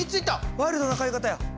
ワイルドな買い方や。